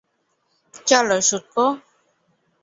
চল, শুঁটকো।